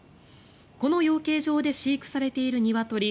この養鶏場で飼育されているニワトリ